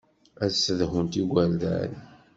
Ad ssedhunt igerdan.